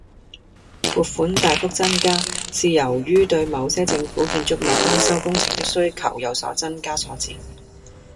撥款大幅增加，是由於對某些政府建築物翻修工程的需求有所增加所致